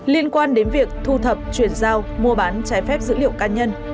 liên quan đến việc thu thập chuyển giao mua bán trái phép dữ liệu cá nhân